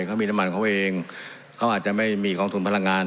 เขามีน้ำมันเขาเองเขาอาจจะไม่มีกองทุนพลังงาน